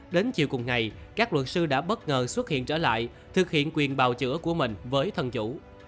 đến chiều cùng ngày các luật sư đã bất ngờ xuất hiện trở lại thực hiện quyền bào chữa của mình với thân chủ